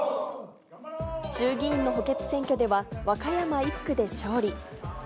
衆議院の補欠選挙では和歌山１区で勝利。